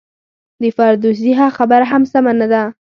د فردوسي هغه خبره هم سمه نه ده.